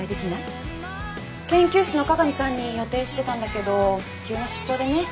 研究室の鏡さんに予定してたんだけど急な出張でね。